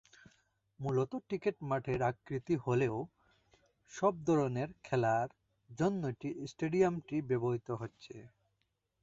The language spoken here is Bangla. মূলত ক্রিকেট মাঠের আকৃতি হলেও সব ধরনের খেলার জন্যই স্টেডিয়ামটি ব্যবহৃত হচ্ছে।